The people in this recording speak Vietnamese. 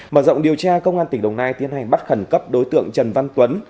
mở rộng điều tra công an tỉnh đồng nai tiến hành bắt khẩn cấp đối tượng trần văn tuấn